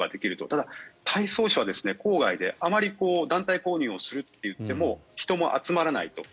ただ、太倉市は郊外であまり団体購入をするといっても人も集まらないと。